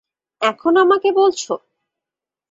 এখন আমাকে বলছ?